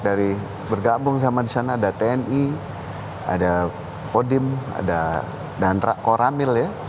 dari bergabung sama di sana ada tni ada kodim ada dan koramil ya